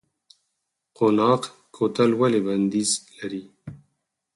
قوناق کوتل ولې بندیز لري؟